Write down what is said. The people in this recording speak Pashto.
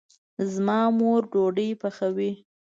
د ما مور ډوډي پخوي